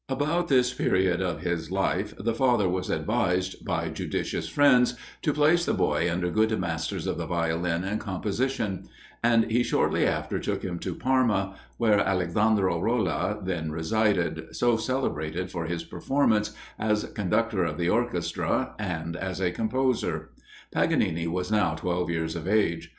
About this period of his life the father was advised, by judicious friends, to place the boy under good masters of the Violin and composition; and he shortly after took him to Parma, where Alexandro Rolla then resided, so celebrated for his performance, as conductor of the orchestra, and as a composer. Paganini was now twelve years of age.